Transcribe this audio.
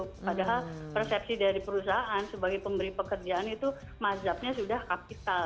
padahal persepsi dari perusahaan sebagai pemberi pekerjaan itu mazhabnya sudah kapital